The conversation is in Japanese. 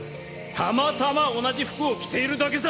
たまたま同じ服を着ているだけさ！